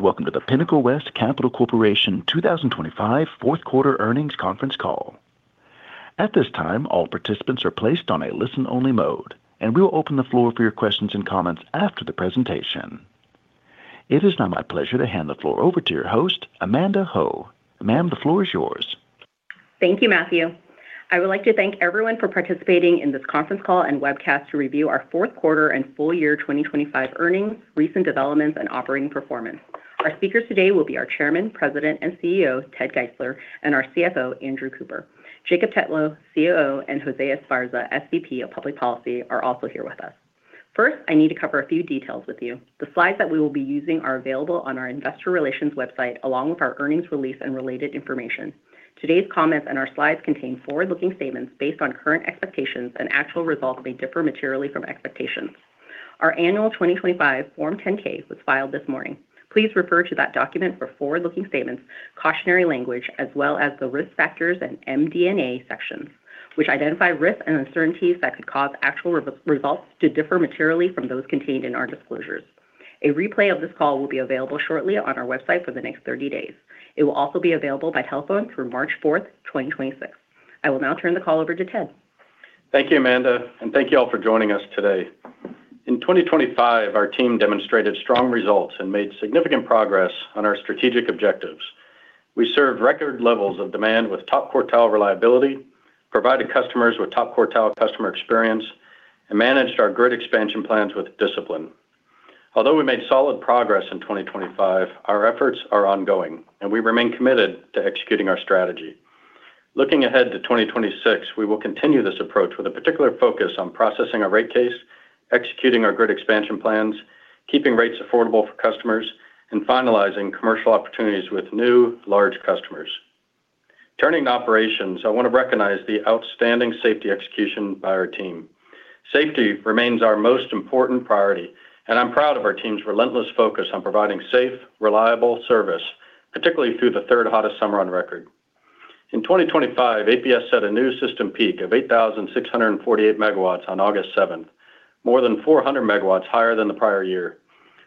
Welcome to the Pinnacle West Capital Corporation 2025 Q4 earnings conference call. At this time, all participants are placed on a listen-only mode, and we'll open the floor for your questions and comments after the presentation. It is now my pleasure to hand the floor over to your host, Amanda Ho. Ma'am, the floor is yours. Thank you, Matthew. I would like to thank everyone for participating in this conference call and webcast to review our Q4 and full year 2025 earnings, recent developments, and operating performance. Our speakers today will be our Chairman, President, and CEO, Ted Geisler, and our CFO, Andrew Cooper. Jacob Tetlow, COO, and Jose Esparza, SVP of Public Policy, are also here with us. First, I need to cover a few details with you. The slides that we will be using are available on our investor relations website, along with our earnings release and related information. Today's comments and our slides contain forward-looking statements based on current expectations. Actual results may differ materially from expectations. Our annual 2025 Form 10-K was filed this morning. Please refer to that document for forward-looking statements, cautionary language, as well as the risk factors and MD&A sections, which identify risks and uncertainties that could cause actual results to differ materially from those contained in our disclosures. A replay of this call will be available shortly on our website for the next 30 days. It will also be available by telephone through March 4th, 2026. I will now turn the call over to Ted. Thank you, Amanda. Thank you all for joining us today. In 2025, our team demonstrated strong results and made significant progress on our strategic objectives. We served record levels of demand with top-quartile reliability, provided customers with top-quartile customer experience, and managed our grid expansion plans with discipline. Although we made solid progress in 2025, our efforts are ongoing, and we remain committed to executing our strategy. Looking ahead to 2026, we will continue this approach with a particular focus on processing our rate case, executing our grid expansion plans, keeping rates affordable for customers, and finalizing commercial opportunities with new large customers. Turning to operations, I want to recognize the outstanding safety execution by our team. Safety remains our most important priority, and I'm proud of our team's relentless focus on providing safe, reliable service, particularly through the third hottest summer on record. In 2025, APS set a new system peak of 8,648 megawatts on August 7th, more than 400 megawatts higher than the prior year.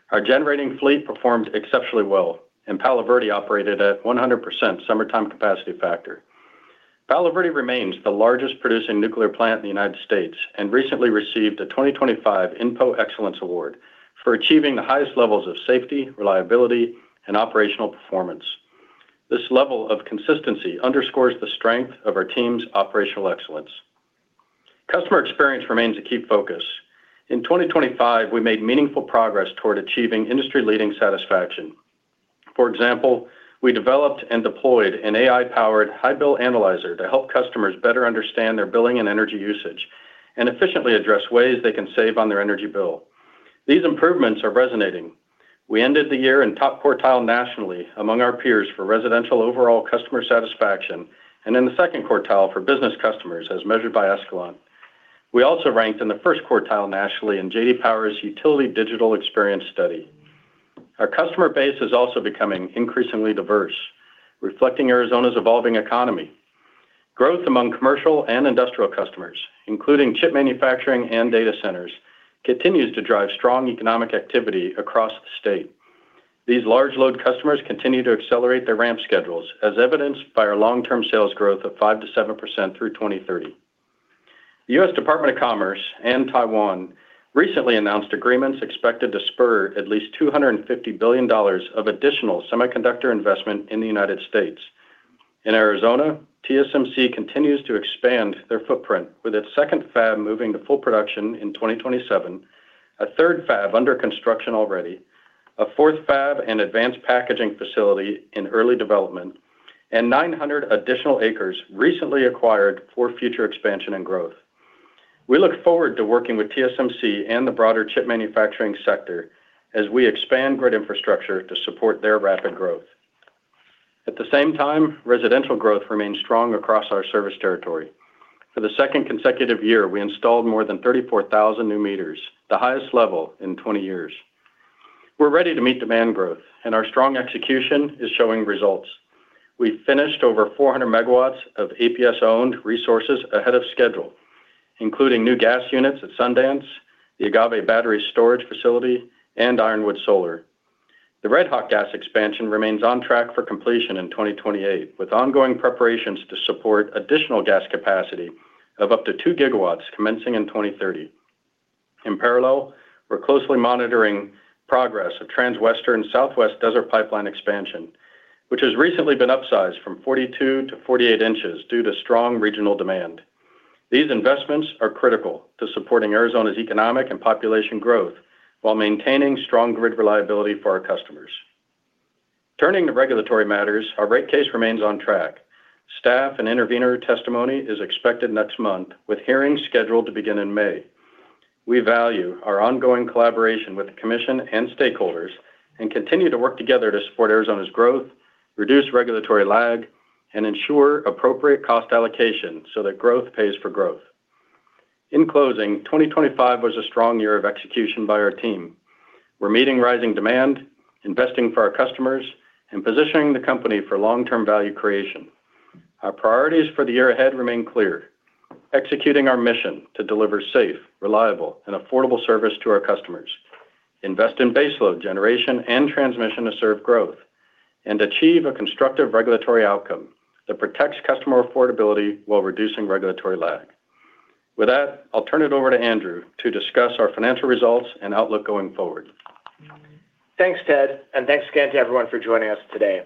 Our generating fleet performed exceptionally well. Palo Verde operated at 100% summertime capacity factor. Palo Verde remains the largest producing nuclear plant in the United States. Recently received a 2025 INPO Excellence Award for achieving the highest levels of safety, reliability, and operational performance. This level of consistency underscores the strength of our team's operational excellence. Customer experience remains a key focus. In 2025, we made meaningful progress toward achieving industry-leading satisfaction. For example, we developed and deployed an AI-powered high bill analyzer to help customers better understand their billing and energy usage and efficiently address ways they can save on their energy bill. These improvements are resonating. We ended the year in top quartile nationally among our peers for residential overall customer satisfaction and in the second quartile for business customers, as measured by Escalent. We also ranked in the first quartile nationally in J.D. Power's U.S. Utility Digital Experience Study. Our customer base is also becoming increasingly diverse, reflecting Arizona's evolving economy. Growth among commercial and industrial customers, including chip manufacturing and data centers, continues to drive strong economic activity across the state. These large load customers continue to accelerate their ramp schedules, as evidenced by our long-term sales growth of 5%-7% through 2030. The U.S. Department of Commerce and Taiwan recently announced agreements expected to spur at least $250 billion of additional semiconductor investment in the United States. In Arizona, TSMC continues to expand their footprint, with its 2nd fab moving to full production in 2027, a 3rd fab under construction already, a 4th fab and advanced packaging facility in early development, and 900 additional acres recently acquired for future expansion and growth. We look forward to working with TSMC and the broader chip manufacturing sector as we expand grid infrastructure to support their rapid growth. At the same time, residential growth remains strong across our service territory. For the second consecutive year, we installed more than 34,000 new meters, the highest level in 20 years. We're ready to meet demand growth. Our strong execution is showing results. We finished over 400 MW of APS-owned resources ahead of schedule, including new gas units at Sundance, the Agave Battery Storage Facility, and Ironwood Solar. The Red Hawk gas expansion remains on track for completion in 2028, with ongoing preparations to support additional gas capacity of up to 2GW commencing in 2030. In parallel, we're closely monitoring progress of Transwestern Desert Southwest Pipeline expansion, which has recently been upsized from 42 inches-48 inches due to strong regional demand. These investments are critical to supporting Arizona's economic and population growth while maintaining strong grid reliability for our customers. Turning to regulatory matters, our rate case remains on track. Staff and intervener testimony is expected next month, with hearings scheduled to begin in May. We value our ongoing collaboration with the commission and stakeholders and continue to work together to support Arizona's growth, reduce regulatory lag, and ensure appropriate cost allocation so that growth pays for growth. In closing, 2025 was a strong year of execution by our team. We're meeting rising demand, investing for our customers, and positioning the company for long-term value creation. Our priorities for the year ahead remain clear: executing our mission to deliver safe, reliable, and affordable service to our customers, invest in baseload generation and transmission to serve growth, and achieve a constructive regulatory outcome that protects customer affordability while reducing regulatory lag. With that, I'll turn it over to Andrew to discuss our financial results and outlook going forward. Thanks, Ted. Thanks again to everyone for joining us today.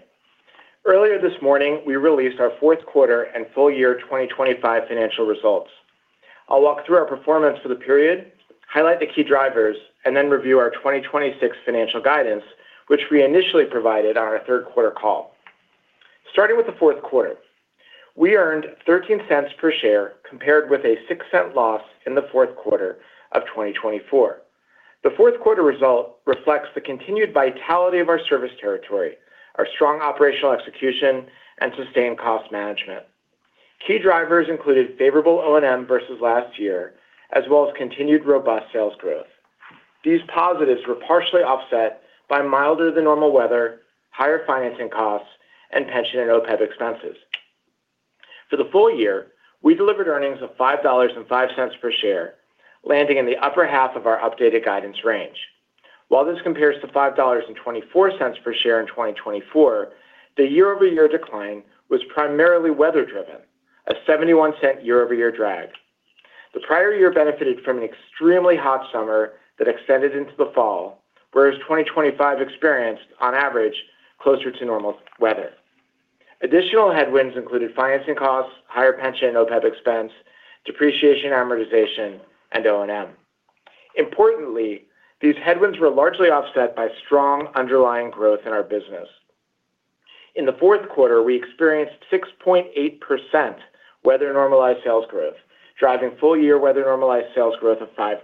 Earlier this morning, we released our Q4 and full year 2025 financial results. I'll walk through our performance for the period, highlight the key drivers, then review our 2026 financial guidance, which we initially provided on our third quarter call. Starting with the Q4, we earned $0.13 per share, compared with a $0.06 loss in the Q4 of 2024. The Q4 result reflects the continued vitality of our service territory, our strong operational execution, and sustained cost management. Key drivers included favorable O&M versus last year, as well as continued robust sales growth. These positives were partially offset by milder than normal weather, higher financing costs, and pension and OPEB expenses. For the full year, we delivered earnings of $5.05 per share, landing in the upper 1/2 of our updated guidance range. While this compares to $5.24 per share in 2024, the year-over-year decline was primarily weather driven, a $0.71 year-over-year drag. The prior year benefited from an extremely hot summer that extended into the fall, whereas 2025 experienced, on average, closer to normal weather. Additional headwinds included financing costs, higher pension and OPEB expense, depreciation, amortization, and O&M. Importantly, these headwinds were largely offset by strong underlying growth in our business. In the Q4, we experienced 6.8% weather-normalized sales growth, driving full-year weather-normalized sales growth of 5%.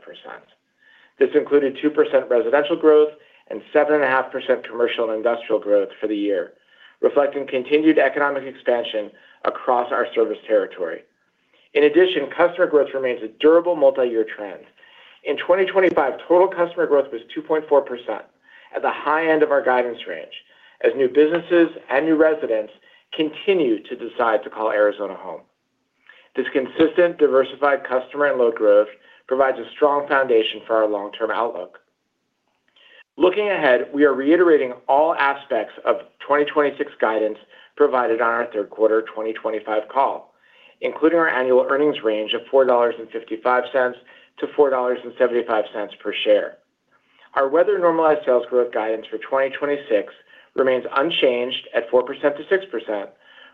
This included 2% residential growth and 7.5% commercial and industrial growth for the year, reflecting continued economic expansion across our service territory. In addition, customer growth remains a durable multi-year trend. In 2025, total customer growth was 2.4% at the high end of our guidance range, as new businesses and new residents continue to decide to call Arizona home. This consistent, diversified customer and load growth provides a strong foundation for our long-term outlook. Looking ahead, we are reiterating all aspects of 2026 guidance provided on our third quarter 2025 call, including our annual earnings range of $4.55-$4.75 per share. Our weather-normalized sales growth guidance for 2026 remains unchanged at 4%-6%,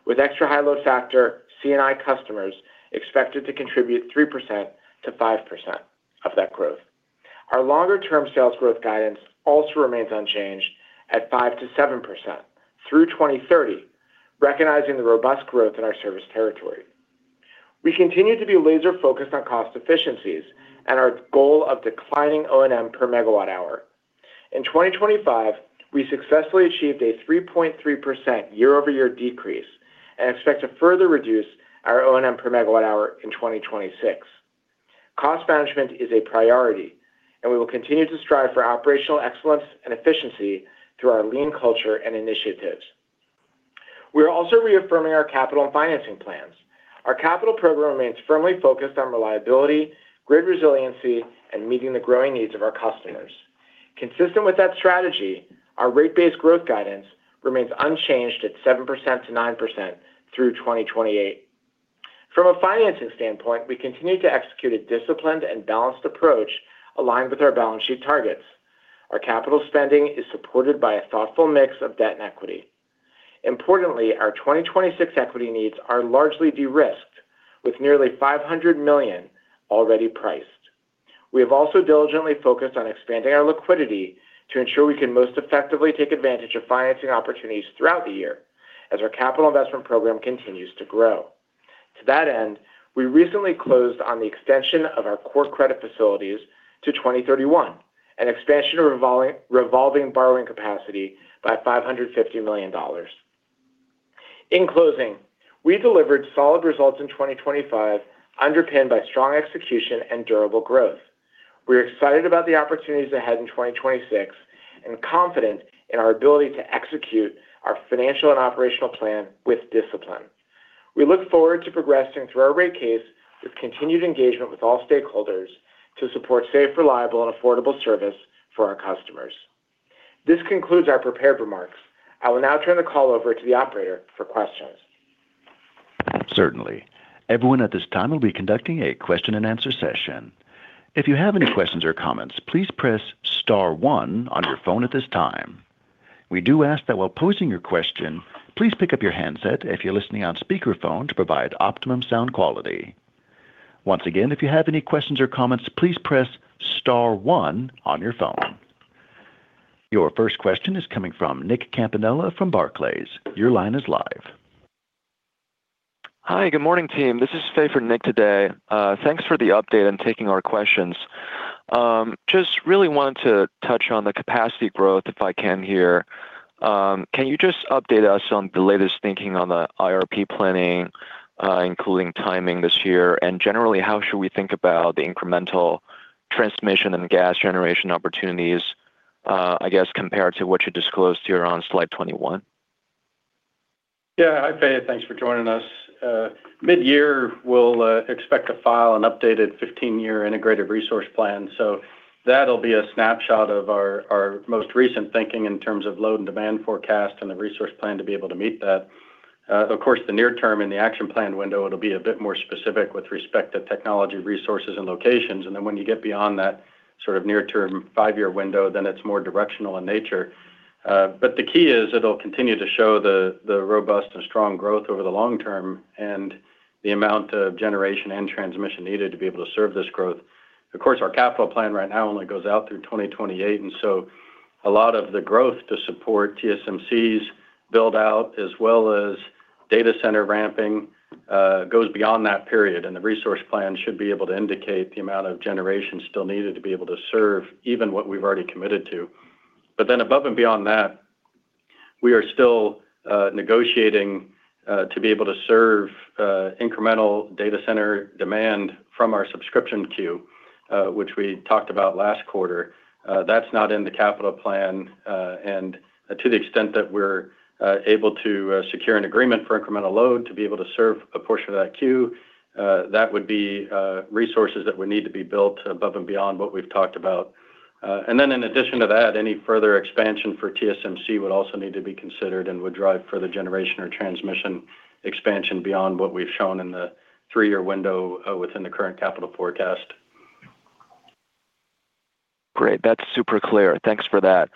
with Extra High Load Factor CNI customers expected to contribute 3%-5% of that growth. Our longer-term sales growth guidance also remains unchanged at 5%-7% through 2030, recognizing the robust growth in our service territory. We continue to be laser focused on cost efficiencies and our goal of declining O&M per megawatt hour. In 2025, we successfully achieved a 3.3% year-over-year decrease and expect to further reduce our O&M per megawatt hour in 2026. Cost management is a priority. We will continue to strive for operational excellence and efficiency through our lean culture and initiatives. We are also reaffirming our capital and financing plans. Our capital program remains firmly focused on reliability, grid resiliency, and meeting the growing needs of our customers. Consistent with that strategy, our rate-based growth guidance remains unchanged at 7% -9% through 2028. From a financing standpoint, we continue to execute a disciplined and balanced approach aligned with our balance sheet targets. Our capital spending is supported by a thoughtful mix of debt and equity. Importantly, our 2026 equity needs are largely de-risked, with nearly $500 million already priced. We have also diligently focused on expanding our liquidity to ensure we can most effectively take advantage of financing opportunities throughout the year as our capital investment program continues to grow. To that end, we recently closed on the extension of our core credit facilities to 2031, an expansion of revolving borrowing capacity by $550 million. We delivered solid results in 2025, underpinned by strong execution and durable growth. We're excited about the opportunities ahead in 2026 and confident in our ability to execute our financial and operational plan with discipline. We look forward to progressing through our rate case with continued engagement with all stakeholders to support safe, reliable, and affordable service for our customers. This concludes our prepared remarks. I will now turn the call over to the operator for questions. Certainly. Everyone at this time will be conducting a question-and-answer session. If you have any questions or comments, please press star one on your phone at this time. We do ask that while posing your question, please pick up your handset if you're listening on speakerphone to provide optimum sound quality. Once again, if you have any questions or comments, please press star one on your phone. Your first question is coming from Nicholas Campanella from Barclays. Your line is live. Hi, good morning, team. This is Fay for Nicolas today. Thanks for the update and taking our questions. Just really wanted to touch on the capacity growth, if I can, here. Can you just update us on the latest thinking on the IRP planning, including timing this year? Generally, how should we think about the incremental transmission and gas generation opportunities? I guess compared to what you disclosed here on slide 21? Yeah. Hi, Fayyaz. Thanks for joining us. Mid-year, we'll expect to file an updated 15-year integrated resource plan. That'll be a snapshot of our most recent thinking in terms of load and demand forecast and the resource plan to be able to meet that. Of course, the near term and the action plan window, it'll be a bit more specific with respect to technology, resources, and locations. When you get beyond that sort of near-term five-year window, then it's more directional in nature. The key is it'll continue to show the robust and strong growth over the long term and the amount of generation and transmission needed to be able to serve this growth. Of course, our capital plan right now only goes out through 2028. A lot of the growth to support TSMC's build-out, as well as data center ramping, goes beyond that period, and the resource plan should be able to indicate the amount of generation still needed to be able to serve even what we've already committed to. Above and beyond that, we are still negotiating to be able to serve incremental data center demand from our subscription queue, which we talked about last quarter. That's not in the capital plan. To the extent that we're able to secure an agreement for incremental load to be able to serve a portion of that queue, that would be resources that would need to be built above and beyond what we've talked about. In addition to that, any further expansion for TSMC would also need to be considered and would drive further generation or transmission expansion beyond what we've shown in the three-year window within the current capital forecast. Great. That's super clear. Thanks for that.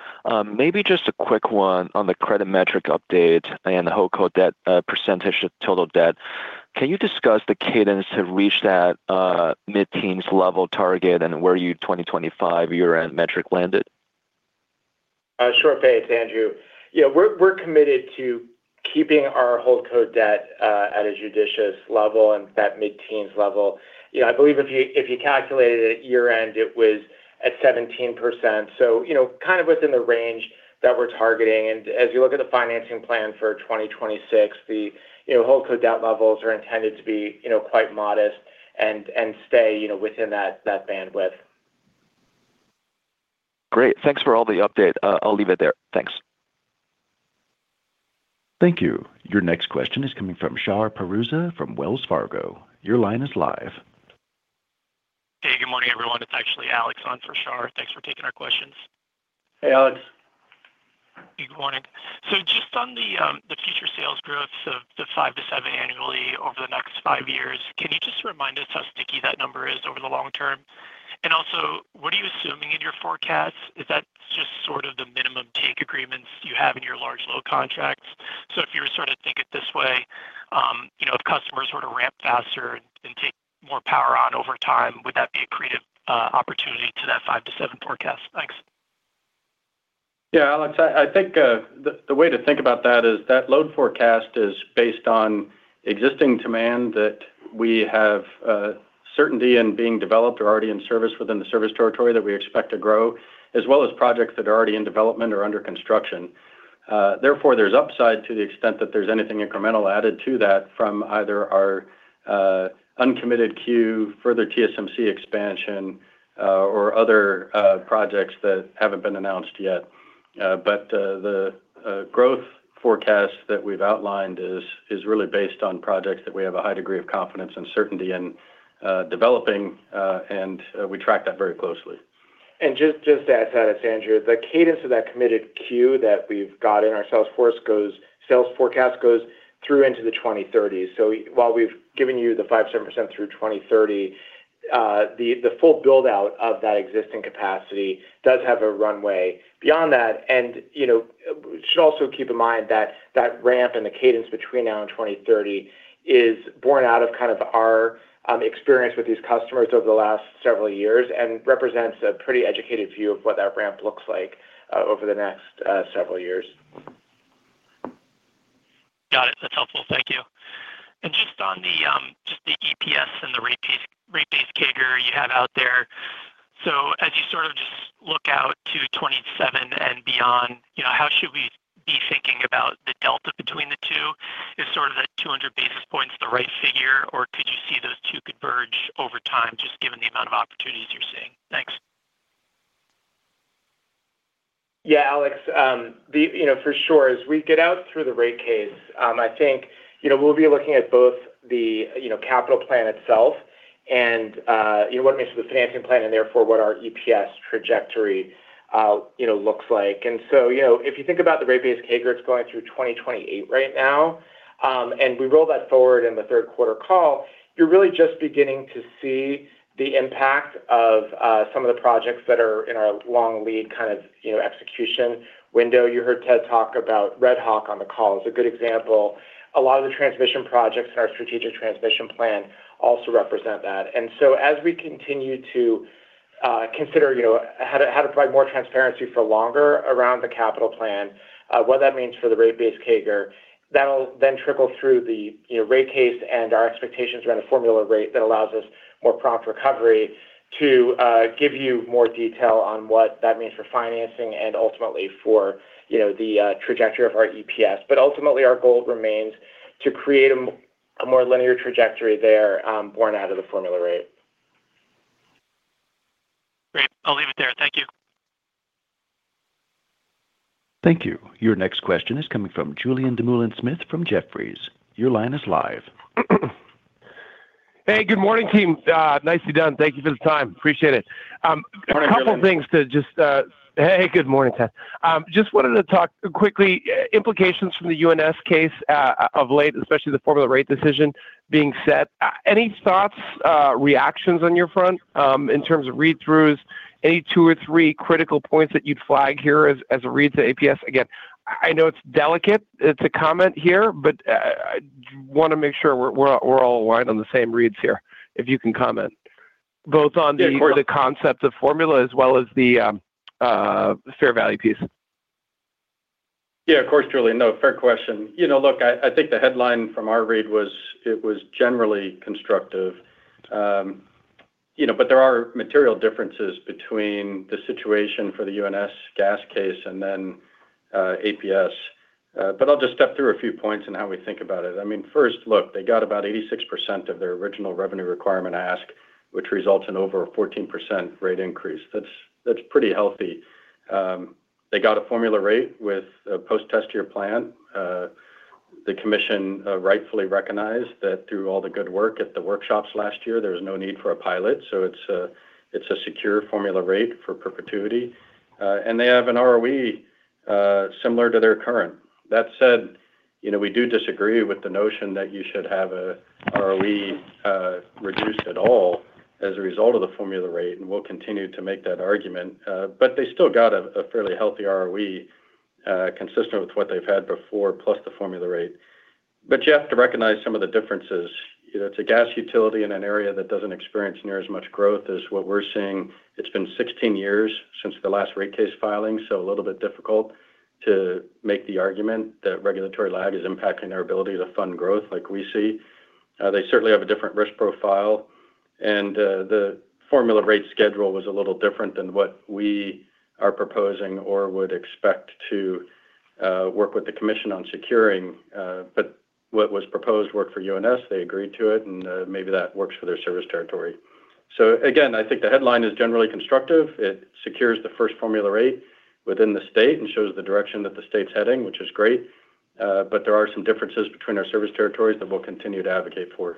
Maybe just a quick one on the credit metric update and the holdco debt, percentage of total debt. Can you discuss the cadence to reach that mid-teens level target and where you 2025 year-end metric landed? Sure, Fayyaz. Andrew, yeah, we're committed to keeping our holdco debt at a judicious level and that mid-teens level. You know, I believe if you, if you calculated it at year-end, it was at 17%, so, you know, kind of within the range that we're targeting. As you look at the financing plan for 2026, the, you know, holdco debt levels are intended to be, you know, quite modest and stay, you know, within that bandwidth. Great. Thanks for all the update. I'll leave it there. Thanks. Thank you. Your next question is coming from Shar Pourreza from Wells Fargo. Your line is live. Hey, good morning, everyone. It's actually Alex on for Shar. Thanks for taking our questions. Hey, Alex. Good morning. Just on the future sales growth, so the 5-7 annually over the next five years, can you just remind us how sticky that number is over the long term? Also, what are you assuming in your forecasts? Is that just sort of the minimum take agreements you have in your large load contracts? If you were sort of think it this way, you know, if customers were to ramp faster and take more power on over time, would that be a creative opportunity to that 5-7 forecast? Thanks. Yeah, Alex, I think the way to think about that is that load forecast is based on existing demand, that we have certainty in being developed or already in service within the service territory that we expect to grow, as well as projects that are already in development or under construction. Therefore, there's upside to the extent that there's anything incremental added to that from either our uncommitted queue, further TSMC expansion, or other projects that haven't been announced yet. The growth forecast that we've outlined is really based on projects that we have a high degree of confidence and certainty in developing, and we track that very closely. Just to add to that, Andrew, the cadence of that committed queue that we've got in our sales force sales forecast goes through into the 2030s. While we've given you the 5%-7% through 2030, the full build-out of that existing capacity does have a runway beyond that. You know, we should also keep in mind that that ramp and the cadence between now and 2030 is born out of kind of our experience with these customers over the last several years and represents a pretty educated view of what that ramp looks like over the next several years. Got it. That's helpful. Thank you. Just on the, just the EPS and the rate base, rate base CAGR you have out there. As you sort of just look out to 2027 and beyond, you know, how should we be thinking about the delta between the two? Is sort of that 200 basis points the right figure, or could you see those two converge over time, just given the amount of opportunities you're seeing? Thanks. Yeah, Alex, the, you know, for sure, as we get out through the rate case, I think, you know, we'll be looking at both the, you know, capital plan itself and, you know, what makes the financing plan and therefore, what our EPS trajectory, you know, looks like. You know, if you think about the rate base CAGR, it's going through 2028 right now, and we rolled that forward in the Q3 call. You're really just beginning to see the impact of some of the projects that are in our long lead, kind of, you know, execution window. You heard Ted talk about Red Hawk on the call. It's a good example. A lot of the transmission projects in our strategic transmission plan also represent that. As we continue to consider, you know, how to provide more transparency for longer around the capital plan, what that means for the rate base CAGR, that'll then trickle through the, you know, rate case and our expectations around a formula rate that allows us more prompt recovery to give you more detail on what that means for financing and ultimately for, you know, the trajectory of our EPS. Ultimately, our goal remains to create a m-... a more linear trajectory there, born out of the formula rate. Great. I'll leave it there. Thank you. Thank you. Your next question is coming from Julien Dumoulin-Smith from Jefferies. Your line is live. Hey, good morning, team. nicely done. Thank you for the time. Appreciate it. Good morning. A couple of things to just... Hey, good morning, Ted. Just wanted to talk quickly, implications from the UNS case of late, especially the formula rate decision being set. Any thoughts, reactions on your front, in terms of read-throughs, any two or three critical points that you'd flag here as a read to APS? Again, I know it's delicate, it's a comment here, I want to make sure we're, we're all aligned on the same reads here, if you can comment. Both on the- Yeah, sure. - or the concept of formula as well as the, fair value piece. Yeah, of course, Julien. No, fair question. You know, look, I think the headline from our read was it was generally constructive. You know, there are material differences between the situation for the UNS gas case and then, APS. I'll just step through a few points on how we think about it. I mean, first, look, they got about 86% of their original revenue requirement ask, which results in over a 14% rate increase. That's pretty healthy. They got a formula rate with a post-test year plan. The commission, rightfully recognized that through all the good work at the workshops last year, there was no need for a pilot, so it's a secure formula rate for perpetuity. They have an ROE, similar to their current. That said, you know, we do disagree with the notion that you should have a ROE reduced at all as a result of the formula rate, and we'll continue to make that argument. They still got a fairly healthy ROE consistent with what they've had before, plus the formula rate. You have to recognize some of the differences. You know, it's a gas utility in an area that doesn't experience near as much growth as what we're seeing. It's been 16 years since the last rate case filing, so a little bit difficult to make the argument that regulatory lag is impacting their ability to fund growth like we see. They certainly have a different risk profile, and the formula rate schedule was a little different than what we are proposing or would expect to work with the commission on securing. What was proposed worked for UNS. They agreed to it, and maybe that works for their service territory. Again, I think the headline is generally constructive. It secures the first formula rate within the state and shows the direction that the state's heading, which is great. There are some differences between our service territories that we'll continue to advocate for.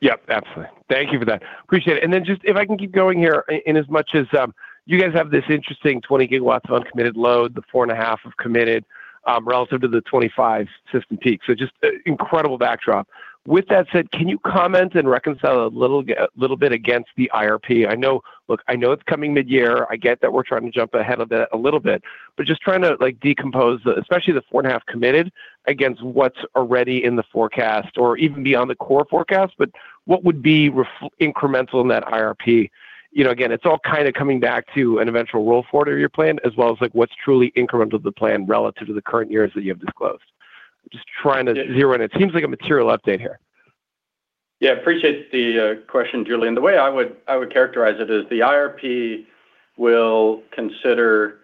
Yep, absolutely. Thank you for that. Appreciate it. Just, if I can keep going here in as much as, you guys have this interesting 20GW of uncommitted load, the 4.5GW of committed, relative to the 25 system peak. Just, incredible backdrop. With that said, can you comment and reconcile a little bit against the IRP? I know it's coming mid-year. I get that we're trying to jump ahead of it a little bit, but just trying to, like, decompose, especially the 4.5GW committed, against what's already in the forecast or even beyond the core forecast, but what would be incremental in that IRP? You know, again, it's all kind of coming back to an eventual roll forward of your plan, as well as, like, what's truly incremental to the plan relative to the current years that you have disclosed. Just trying to zero in. Yeah. It seems like a material update here. Yeah, appreciate the question, Julien. The way I would characterize it is the IRP will consider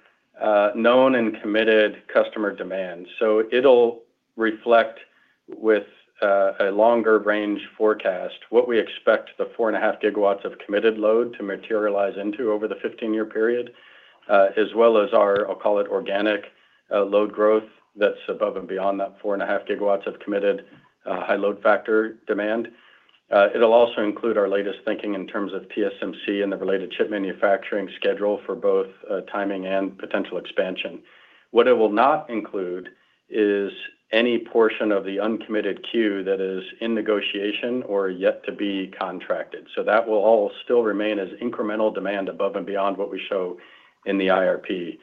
known and committed customer demand. It'll reflect with a longer range forecast, what we expect the 4.5GW of committed load to materialize into over the 15-year period, as well as our, I'll call it, organic load growth that's above and beyond that 4.5GW of committed high load factor demand. It'll also include our latest thinking in terms of TSMC and the related chip manufacturing schedule for both timing and potential expansion. What it will not include is any portion of the uncommitted queue that is in negotiation or yet to be contracted. That will all still remain as incremental demand above and beyond what we show in the IRP.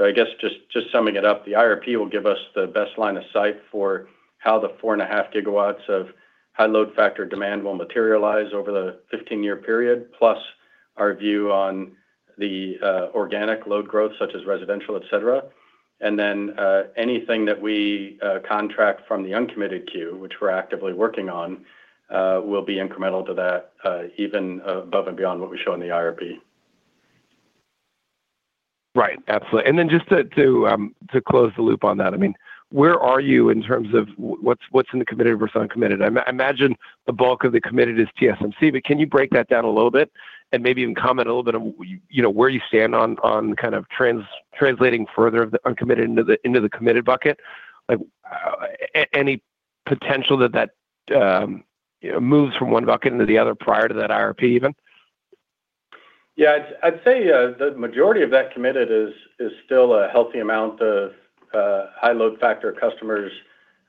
I guess just summing it up, the IRP will give us the best line of sight for how the 4.5GW of high load factor demand will materialize over the 15-year period, plus our view on the organic load growth, such as residential, et cetera. Anything that we contract from the uncommitted queue, which we're actively working on, will be incremental to that, even above and beyond what we show in the IRP. Right. Absolutely. Then just to close the loop on that, I mean, where are you in terms of what's in the committed versus uncommitted? I imagine the bulk of the committed is TSMC, but can you break that down a little bit and maybe even comment a little bit on, you know, where you stand on kind of translating further of the uncommitted into the, into the committed bucket? Like, any potential that, you know, moves from one bucket into the other prior to that IRP, even? I'd say, the majority of that committed is still a healthy amount of high load factor customers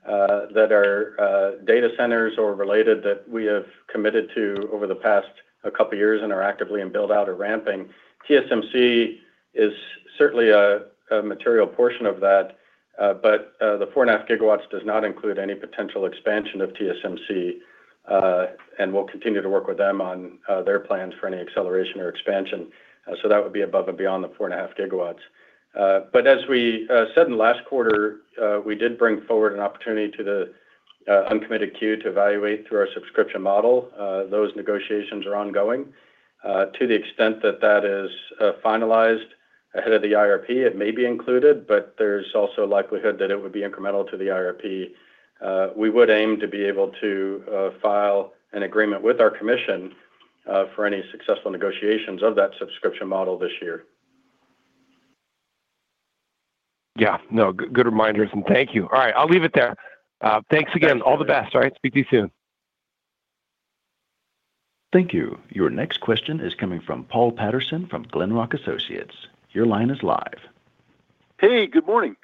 that are data centers or related that we have committed to over the past couple of years and are actively in build-out or ramping. TSMC is certainly a material portion of that, the 4.5GW does not include any potential expansion of TSMC, and we'll continue to work with them on their plans for any acceleration or expansion. That would be above and beyond the 4.5GW. As we said in the last quarter, we did bring forward an opportunity to the uncommitted queue to evaluate through our subscription model. Those negotiations are ongoing. To the extent that that is finalized-. ahead of the IRP, it may be included, but there's also a likelihood that it would be incremental to the IRP. We would aim to be able to file an agreement with our commission for any successful negotiations of that subscription model this year. Yeah. No, good reminders, thank you. All right, I'll leave it there. Thanks again. All the best. All right. Speak to you soon. Thank you. Your next question is coming from Paul Patterson from Glenrock Associates. Your line is live. Hey, good morning.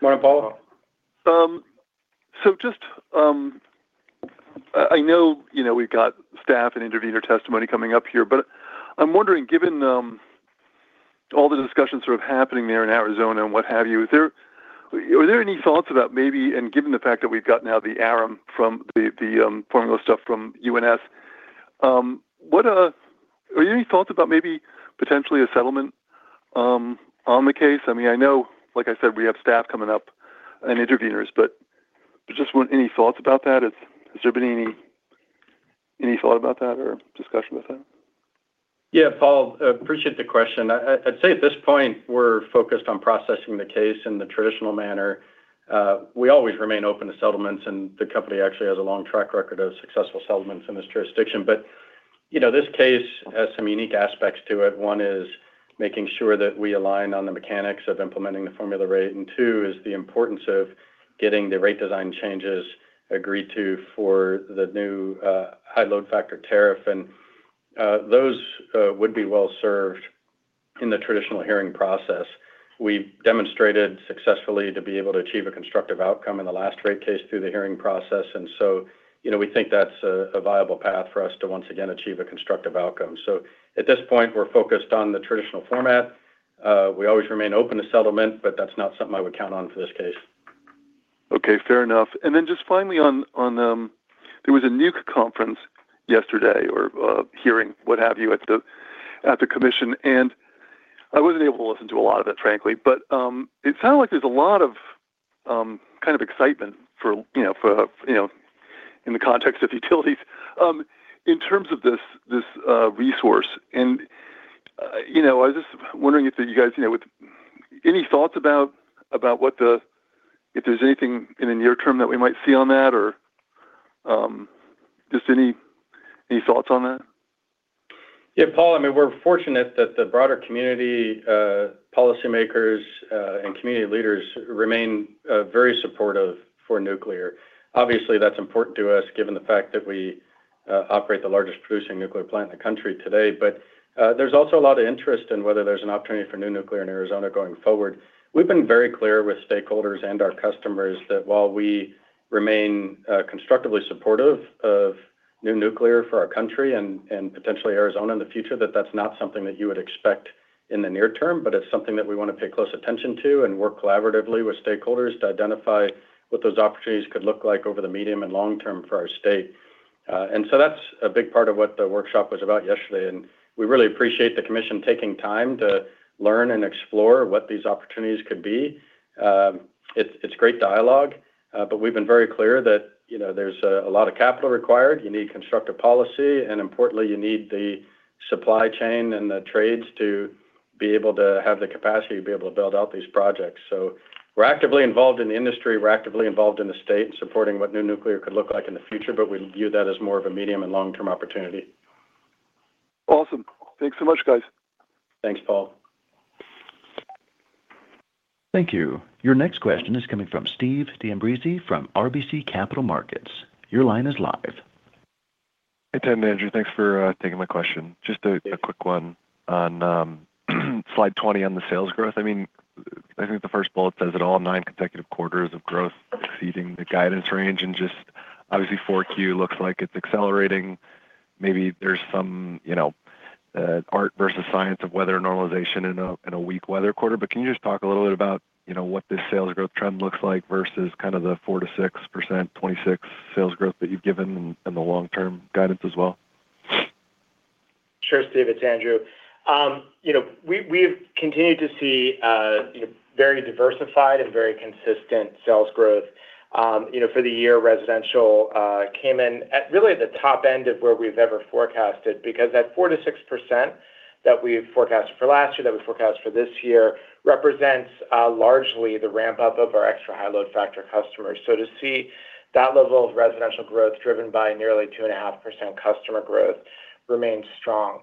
Morning, Paul. Just, I know, you know, we've got staff and intervener testimony coming up here, but I'm wondering, given all the discussions sort of happening there in Arizona and what have you, is there, are there any thoughts about maybe, and given the fact that we've got now the ARM from the formula stuff from UNS, what are there any thoughts about maybe potentially a settlement on the case? I mean, I know, like I said, we have staff coming up and interveners, but I just want any thoughts about that. Has there been any thought about that or discussion with that? Yeah, Paul, I appreciate the question. I'd say at this point, we're focused on processing the case in the traditional manner. We always remain open to settlements, and the company actually has a long track record of successful settlements in this jurisdiction. You know, this case has some unique aspects to it. One is making sure that we align on the mechanics of implementing the formula rate, and two is the importance of getting the rate design changes agreed to for the new, high load factor tariff, and those would be well served in the traditional hearing process. We've demonstrated successfully to be able to achieve a constructive outcome in the last rate case through the hearing process. You know, we think that's a viable path for us to once again achieve a constructive outcome. At this point, we're focused on the traditional format. We always remain open to settlement, but that's not something I would count on for this case. Okay, fair enough. Just finally on, there was a nuke conference yesterday or, hearing, what have you, at the, at the commission, and I wasn't able to listen to a lot of it, frankly, but, it sounded like there's a lot of, kind of excitement for, you know, for, you know, in the context of utilities, in terms of this, resource. You know, I was just wondering if you guys, you know, with any thoughts about, if there's anything in the near term that we might see on that or, just any thoughts on that? Yeah, Paul, I mean, we're fortunate that the broader community, policymakers, and community leaders remain very supportive for nuclear. Obviously, that's important to us, given the fact that we operate the largest producing nuclear plant in the country today. There's also a lot of interest in whether there's an opportunity for new nuclear in Arizona going forward. We've been very clear with stakeholders and our customers that while we remain constructively supportive of new nuclear for our country and potentially Arizona in the future, that that's not something that you would expect in the near term, but it's something that we want to pay close attention to and work collaboratively with stakeholders to identify what those opportunities could look like over the medium and long term for our state. That's a big part of what the workshop was about yesterday, and we really appreciate the commission taking time to learn and explore what these opportunities could be. It's, it's great dialogue, but we've been very clear that, you know, there's a lot of capital required. You need constructive policy, and importantly, you need the supply chain and the trades to be able to have the capacity to be able to build out these projects. We're actively involved in the industry, we're actively involved in the state, supporting what new nuclear could look like in the future, but we view that as more of a medium and long-term opportunity. Awesome. Thanks so much, guys. Thanks, Paul. Thank you. Your next question is coming from Stephen D'Ambrisi from RBC Capital Markets. Your line is live. Hey, Tim, Andrew. Thanks for taking my question. Just a quick one on slide 20 on the sales growth. I mean, I think the first bullet says it all, nine consecutive quarters of growth exceeding the guidance range, just obviously 4Q looks like it's accelerating. Maybe there's some, you know, art versus science of weather normalization in a weak weather quarter. Can you just talk a little bit about, you know, what this sales growth trend looks like versus kind of the 4%-6%, 2026 sales growth that you've given and the long-term guidance as well? Sure, Steve, it's Andrew. You know, we've continued to see, you know, very diversified and very consistent sales growth. You know, for the year, residential, came in at really the top end of where we've ever forecasted because that 4%-6% that we forecasted for last year, that we forecast for this year, represents, largely the ramp-up of our Extra High Load Factor customers. To see that level of residential growth driven by nearly 2.5% customer growth remains strong.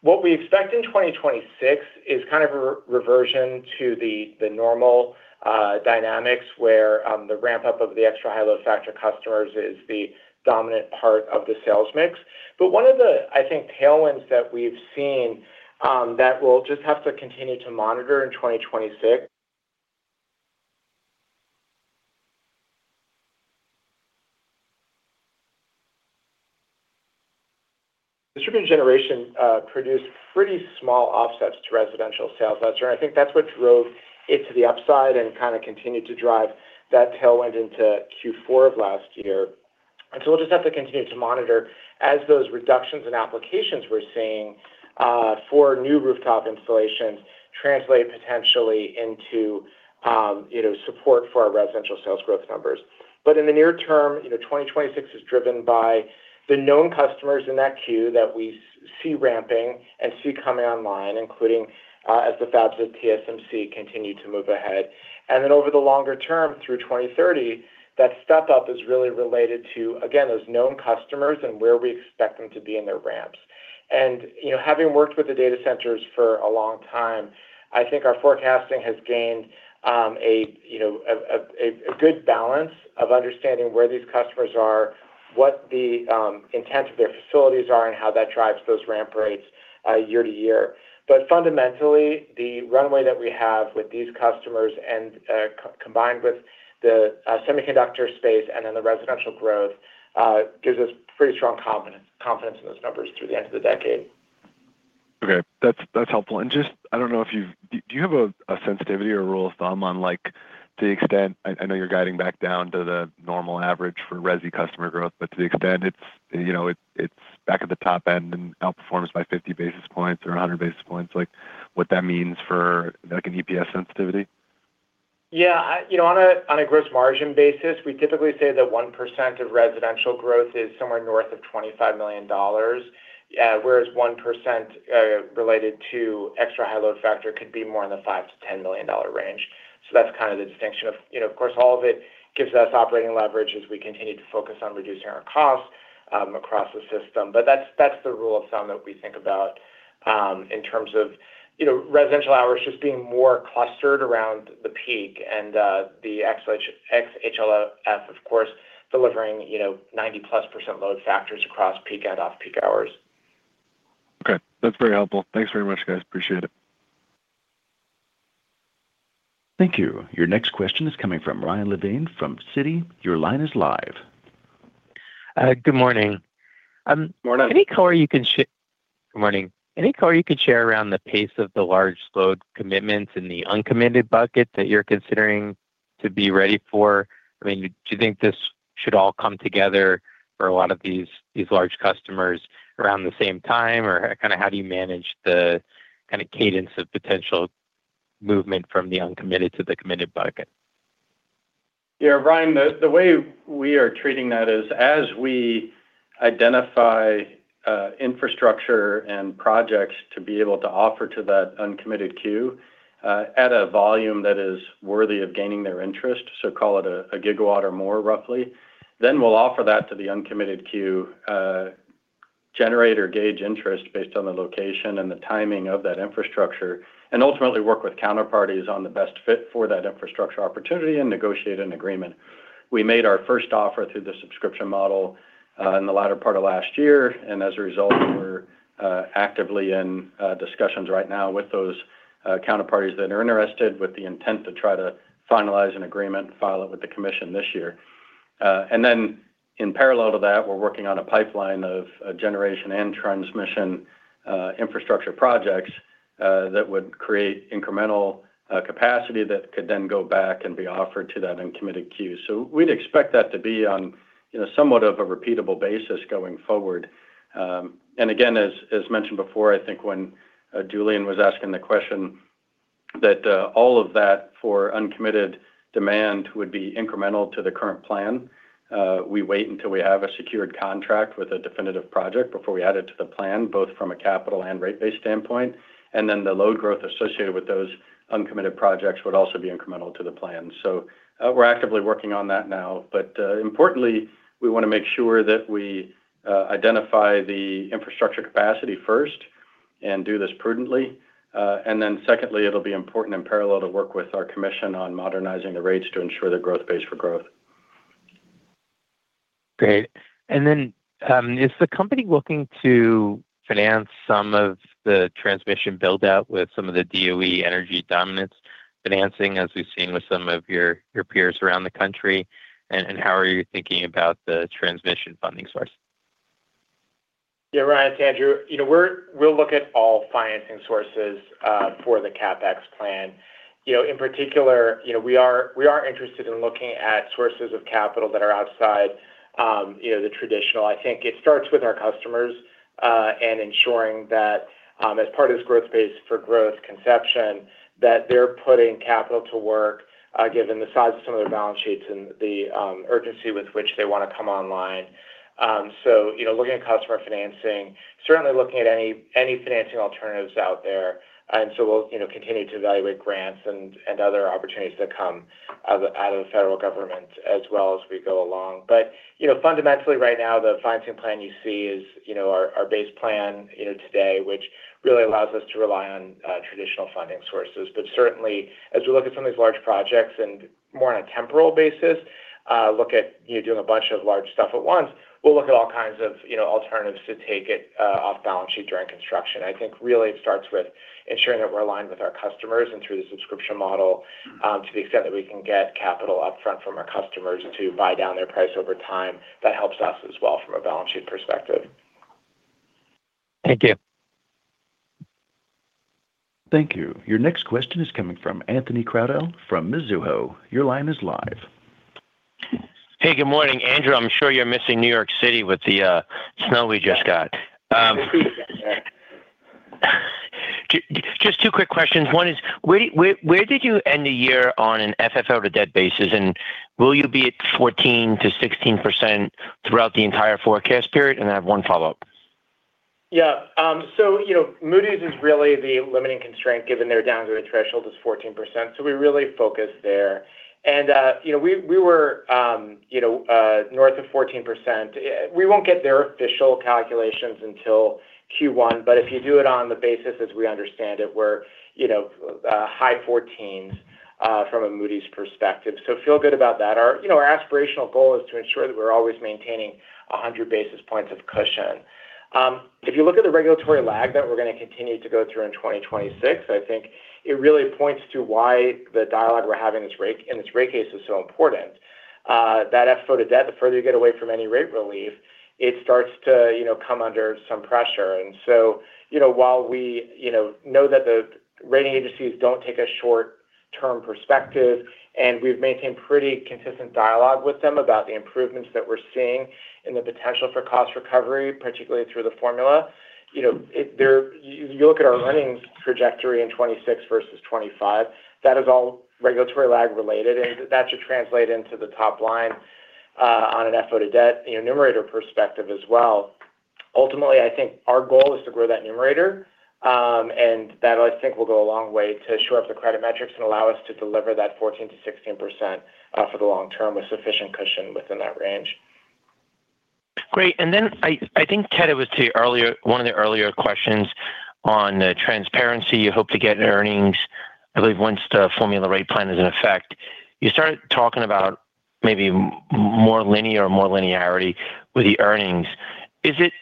What we expect in 2026 is kind of a reversion to the normal dynamics, where the ramp-up of the Extra High Load Factor customers is the dominant part of the sales mix. One of the, I think, tailwinds that we've seen, that we'll just have to continue to monitor in 2026. Distributed generation produced pretty small offsets to residential sales last year, and I think that's what drove it to the upside and kinda continued to drive that tailwind into Q4 of last year. We'll just have to continue to monitor as those reductions in applications we're seeing for new rooftop installations translate potentially into.... you know, support for our residential sales growth numbers. In the near term, you know, 2026 is driven by the known customers in that queue that we see ramping and see coming online, including, as the fabs of TSMC continue to move ahead. Then over the longer term, through 2030, that step-up is really related to, again, those known customers and where we expect them to be in their ramps. You know, having worked with the data centers for a long time, I think our forecasting has gained, you know, a good balance of understanding where these customers are, what the intent of their facilities are, and how that drives those ramp rates year to year. Fundamentally, the runway that we have with these customers and combined with the semiconductor space and then the residential growth, gives us pretty strong confidence in those numbers through the end of the decade. Okay, that's helpful. Just, I don't know if do you have a sensitivity or a rule of thumb on, like, the extent... I know you're guiding back down to the normal average for resi customer growth, but to the extent it's, you know, it's back at the top end and outperforms by 50 basis points or 100 basis points, like, what that means for, like, an EPS sensitivity? You know, on a gross margin basis, we typically say that 1% of residential growth is somewhere north of $25 million, whereas 1% related to Extra High Load Factor could be more in the $5 million-$10 million range. That's kind of the distinction of. You know, of course, all of it gives us operating leverage as we continue to focus on reducing our costs across the system. That's the rule of thumb that we think about in terms of, you know, residential hours just being more clustered around the peak and the XHLF, of course, delivering, you know, 90%+ load factors across peak and off-peak hours. Okay. That's very helpful. Thanks very much, guys. Appreciate it. Thank you. Your next question is coming from Ryan Levine from Citi. Your line is live. Good morning. Morning. Good morning. Any color you could share around the pace of the large load commitments in the uncommitted bucket that you're considering to be ready for? I mean, do you think this should all come together for a lot of these large customers around the same time? Kind of how do you manage the kind of cadence of potential movement from the uncommitted to the committed bucket? Ryan, the way we are treating that is as we identify infrastructure and projects to be able to offer to that uncommitted queue at a volume that is worthy of gaining their interest, so call it a gigawatt or more, roughly, then we'll offer that to the uncommitted queue, generate or gauge interest based on the location and the timing of that infrastructure, and ultimately work with counterparties on the best fit for that infrastructure opportunity and negotiate an agreement. We made our first offer through the subscription model in the latter part of last year, and as a result, we're actively in discussions right now with those counterparties that are interested, with the intent to try to finalize an agreement and file it with the commission this year. In parallel to that, we're working on a pipeline of generation and transmission infrastructure projects that would create incremental capacity that could then go back and be offered to that uncommitted queue. We'd expect that to be on, you know, somewhat of a repeatable basis going forward. As mentioned before, I think when Julien was asking the question, that all of that for uncommitted demand would be incremental to the current plan. We wait until we have a secured contract with a definitive project before we add it to the plan, both from a capital and rate base standpoint, the load growth associated with those uncommitted projects would also be incremental to the plan. We're actively working on that now, but, importantly, we want to make sure that we identify the infrastructure capacity first and do this prudently. Secondly, it'll be important in parallel to work with our commission on modernizing the rates to ensure the growth pays for growth. Great. Then, is the company looking to finance some of the transmission build-out with some of the DOE Energy Dominance Financing, as we've seen with some of your peers around the country, and how are you thinking about the transmission funding source? Yeah, Ryan, it's Andrew. You know, we'll look at all financing sources for the CapEx plan. In particular, you know, we are interested in looking at sources of capital that are outside, you know, the traditional. I think it starts with our customers and ensuring that as part of this growth space for growth conception, that they're putting capital to work given the size of some of the balance sheets and the urgency with which they want to come online. You know, looking at customer financing, certainly looking at any financing alternatives out there, we'll, you know, continue to evaluate grants and other opportunities that come out of the federal government as well as we go along. You know, fundamentally right now, the financing plan you see is, you know, our base plan, you know, today, which really allows us to rely on traditional funding sources. Certainly, as we look at some of these large projects and more on a temporal basis, look at, you know, doing a bunch of large stuff at once, we'll look at all kinds of, you know, alternatives to take it off balance sheet during construction. I think really it starts with ensuring that we're aligned with our customers and through the subscription model, to the extent that we can get capital upfront from our customers to buy down their price over time, that helps us as well from a balance sheet perspective. Thank you. Thank you. Your next question is coming from Anthony Crowdell, from Mizuho. Your line is live. Hey, good morning, Andrew. I'm sure you're missing New York City with the snow we just got. Just two quick questions. One is: where did you end the year on an FFO to debt basis, and will you be at 14%-16% throughout the entire forecast period? I have one follow-up. Yeah. You know, Moody's is really the limiting constraint, given their downgrade threshold is 14%. We really focus there. You know, we were, you know, north of 14%. We won't get their official calculations until Q1, if you do it on the basis as we understand it, we're, you know, high 14s, from a Moody's perspective. Feel good about that. Our, you know, our aspirational goal is to ensure that we're always maintaining 100 basis points of cushion. If you look at the regulatory lag that we're going to continue to go through in 2026, I think it really points to why the dialogue we're having in this rate case is so important. That FFO to debt, the further you get away from any rate relief, it starts to, you know, come under some pressure. You know, while we, you know that the rating agencies don't take a short-term perspective, and we've maintained pretty consistent dialogue with them about the improvements that we're seeing and the potential for cost recovery, particularly through the formula, you know, you look at our earnings trajectory in 2026 versus 2025, that is all regulatory lag related, and that should translate into the top line, on an FFO to debt, you know, numerator perspective as well. Ultimately, I think our goal is to grow that numerator, and that, I think, will go a long way to shore up the credit metrics and allow us to deliver that 14%-16%, for the long term with sufficient cushion within that range. Great. Then I think, Ted, it was to your earlier one of the earlier questions on the transparency. You hope to get earnings, I believe, once the formula rate plan is in effect. You started talking about maybe more linear or more linearity with the earnings. Is it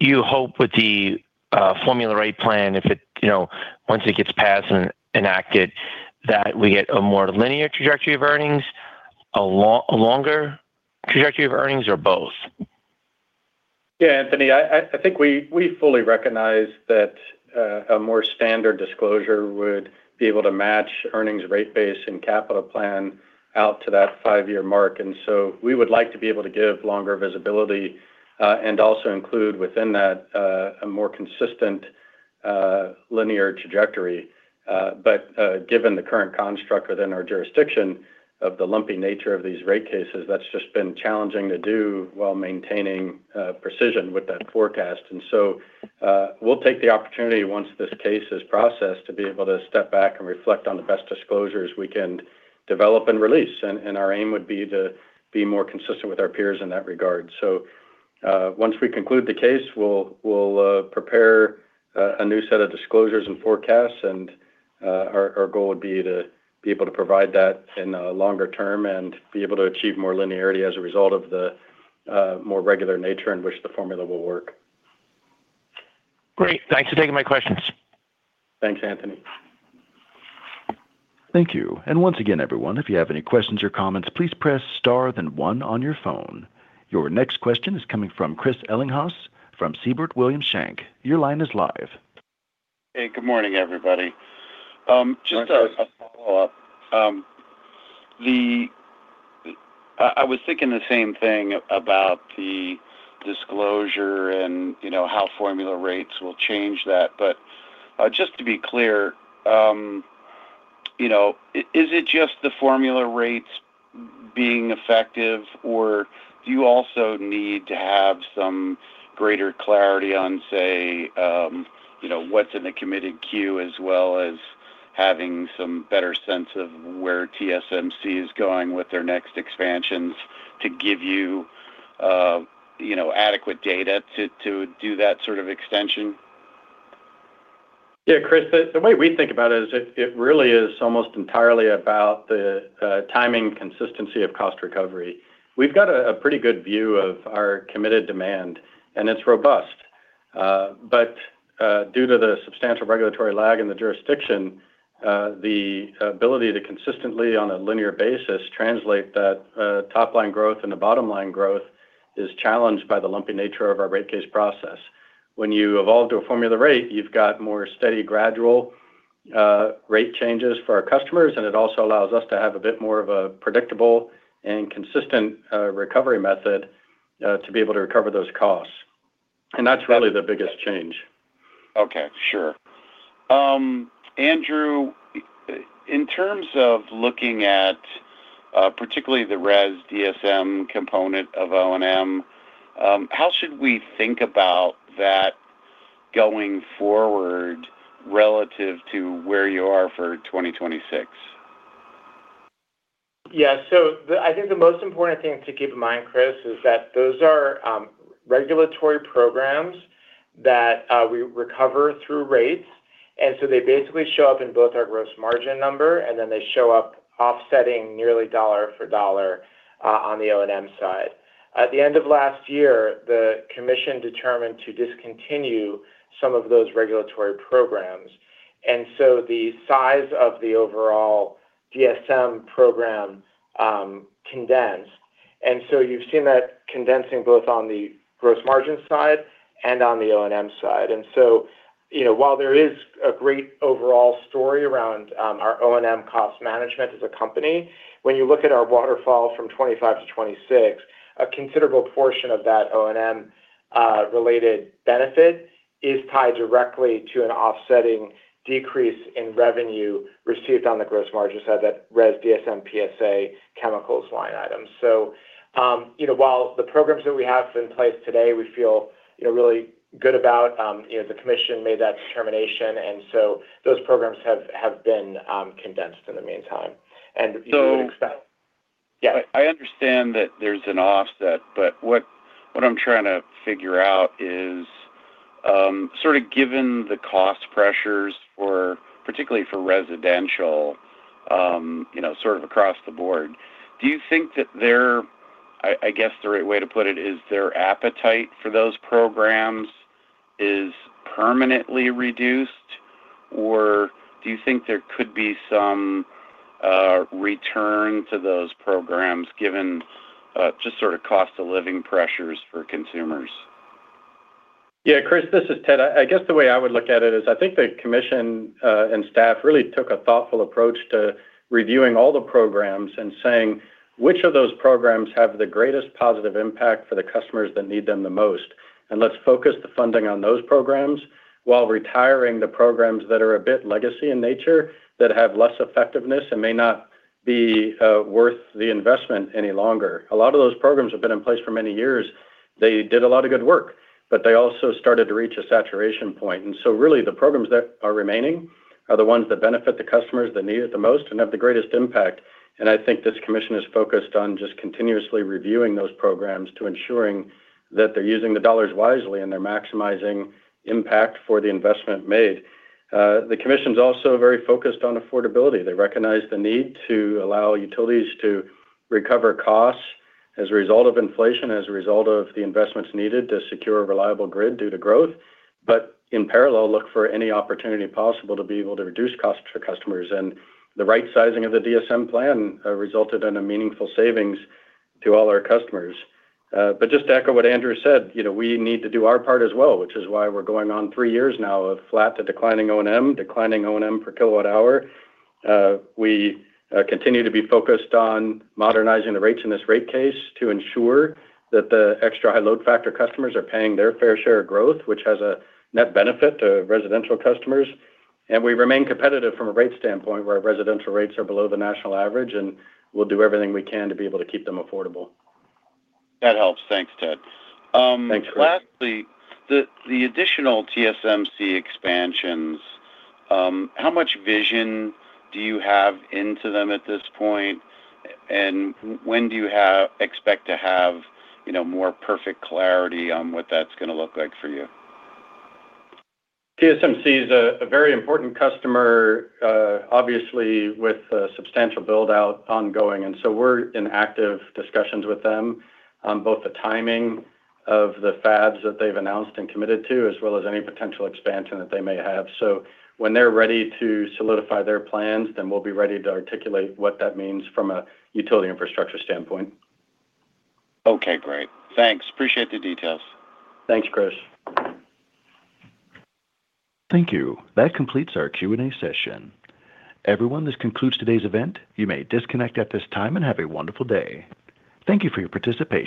you hope with the formula rate plan, if it, you know, once it gets passed and enacted, that we get a more linear trajectory of earnings, a longer trajectory of earnings or both? Yeah, Anthony, I think we fully recognize that a more standard disclosure would be able to match earnings rate base and capital plan out to that five-year mark. We would like to be able to give longer visibility and also include within that a more consistent linear trajectory. Given the current construct within our jurisdiction of the lumpy nature of these rate cases, that's just been challenging to do while maintaining precision with that forecast. We'll take the opportunity once this case is processed, to be able to step back and reflect on the best disclosures we can develop and release. Our aim would be to be more consistent with our peers in that regard. Once we conclude the case, we'll prepare a new set of disclosures and forecasts. Our goal would be to be able to provide that in the longer term and be able to achieve more linearity as a result of the more regular nature in which the formula will work. Great. Thanks for taking my questions. Thanks, Anthony. Thank you. Once again, everyone, if you have any questions or comments, please press Star then 1 on your phone. Your next question is coming from Chris Ellinghaus from Siebert Williams Shank. Your line is live. Hey, good morning, everybody. Just a follow-up. I was thinking the same thing about the disclosure and you know, how formula rates will change that. Just to be clear, you know, is it just the formula rates being effective, or do you also need to have some greater clarity on, say, you know, what's in the committed queue, as well as having some better sense of where TSMC is going with their next expansions to give you know, adequate data to do that sort of extension? Yeah, Chris, the way we think about it is it really is almost entirely about the timing, consistency of cost recovery. We've got a pretty good view of our committed demand, and it's robust. But, due to the substantial regulatory lag in the jurisdiction, the ability to consistently, on a linear basis, translate that top-line growth and the bottom-line growth is challenged by the lumpy nature of our rate case process. When you evolve to a formula rate, you've got more steady, gradual, rate changes for our customers, and it also allows us to have a bit more of a predictable and consistent recovery method to be able to recover those costs. That's really the biggest change. Okay. Sure. Andrew, in terms of looking at, particularly the RES DSM component of O&M, how should we think about that going forward relative to where you are for 2026? Yeah. I think the most important thing to keep in mind, Chris, is that those are regulatory programs that we recover through rates, they basically show up in both our gross margin number, and then they show up offsetting nearly dollar for dollar on the O&M side. At the end of last year, the commission determined to discontinue some of those regulatory programs, the size of the overall DSM program condensed. You've seen that condensing both on the gross margin side and on the O&M side. you know, while there is a great overall story around our O&M cost management as a company, when you look at our waterfall from 2025-2026, a considerable portion of that O&M related benefit is tied directly to an offsetting decrease in revenue received on the gross margin side, that RES DSM PSA chemicals line items. While the programs that we have in place today, we feel, you know, really good about, you know, the commission made that determination, and so those programs have been condensed in the meantime. So- Yeah. I understand that there's an offset, but what I'm trying to figure out is, sort of given the cost pressures for, particularly for residential, you know, sort of across the board, do you think that their, I guess, the right way to put it, is their appetite for those programs is permanently reduced, or do you think there could be some return to those programs, given just sort of cost of living pressures for consumers? Yeah, Chris, this is Ted. I guess the way I would look at it is I think the commission and staff really took a thoughtful approach to reviewing all the programs and saying, "Which of those programs have the greatest positive impact for the customers that need them the most? Let's focus the funding on those programs while retiring the programs that are a bit legacy in nature, that have less effectiveness and may not be worth the investment any longer." A lot of those programs have been in place for many years. They did a lot of good work, but they also started to reach a saturation point. Really, the programs that are remaining are the ones that benefit the customers that need it the most and have the greatest impact. I think this commission is focused on just continuously reviewing those programs to ensuring that they're using the dollars wisely, and they're maximizing impact for the investment made. The commission's also very focused on affordability. They recognize the need to allow utilities to recover costs as a result of inflation, as a result of the investments needed to secure a reliable grid due to growth, in parallel, look for any opportunity possible to be able to reduce costs for customers. The right sizing of the DSM plan resulted in a meaningful savings to all our customers. Just to echo what Andrew said, you know, we need to do our part as well, which is why we're going on three years now of flat to declining O&M, declining O&M per kilowatt hour. We continue to be focused on modernizing the rates in this rate case to ensure that the Extra High Load Factor customers are paying their fair share of growth, which has a net benefit to residential customers. We remain competitive from a rate standpoint, where our residential rates are below the national average, and we'll do everything we can to be able to keep them affordable. That helps. Thanks, Ted. Thanks, Chris. Lastly, the additional TSMC expansions, how much vision do you have into them at this point? When do you expect to have, you know, more perfect clarity on what that's gonna look like for you? TSMC is a very important customer, obviously, with a substantial build-out ongoing. We're in active discussions with them on both the timing of the fabs that they've announced and committed to, as well as any potential expansion that they may have. When they're ready to solidify their plans, then we'll be ready to articulate what that means from a utility infrastructure standpoint. Okay, great. Thanks. Appreciate the details. Thanks, Chris. Thank you. That completes our Q&A session. Everyone, this concludes today's event. You may disconnect at this time, and have a wonderful day. Thank you for your participation.